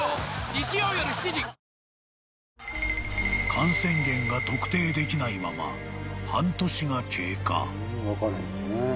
［感染源が特定できないまま半年が経過］